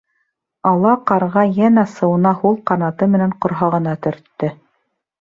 Ала ҡарға йән асыуына һул ҡанаты менән ҡорһағына төрттө.